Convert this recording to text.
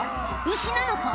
牛なのか？